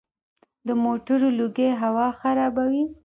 د موټرو لوګی هوا خرابوي.